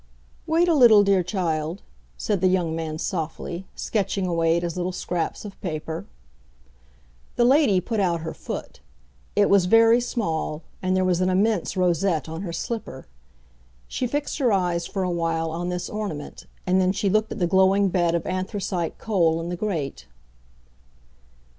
"Wait a little, dear child," said the young man softly, sketching away at his little scraps of paper. The lady put out her foot; it was very small, and there was an immense rosette on her slipper. She fixed her eyes for a while on this ornament, and then she looked at the glowing bed of anthracite coal in the grate.